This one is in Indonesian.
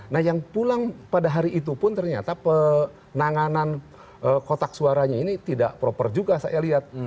nah yang pulang pada hari itu pun ternyata penanganan kotak suaranya ini tidak proper juga saya lihat